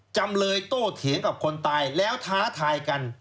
จำเลยโตเถียงกับคนตายแล้วท้าทายกัน